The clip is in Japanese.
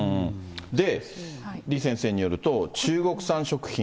で、李先生によると、中国産食品。